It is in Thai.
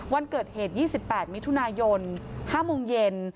วันเกิดเหตุ๒๘มิถุนายน๕โมงเย็น